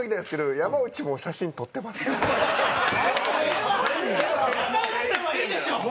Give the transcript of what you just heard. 山内さんはいいでしょ。